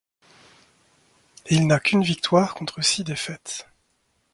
Il n'a qu'une victoire contre six défaites.